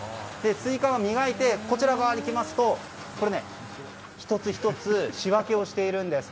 スイカを磨いてこちら側に来ますと１つ１つ仕分けをしているんです。